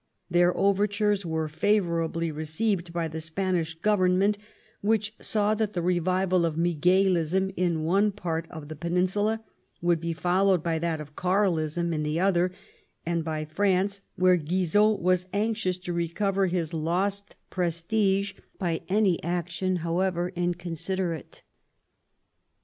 Their overtures were favourably received by the Spanish Government, which saw that the revival of Miguelism in one part of the Peninsula would be followed by that of Carliam in the other ; and iy JFranoe, where Guizot was anxious to recover his lost prestige by any action, however inconsiderate.